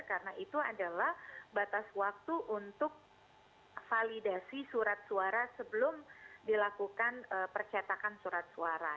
karena itu adalah batas waktu untuk validasi surat suara sebelum dilakukan percatakan surat suara